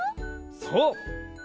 そう！